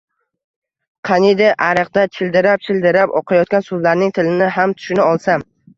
Qaniydi, ariqda childirab-childirab oqayotgan suvlarning tilini ham tushuna olsam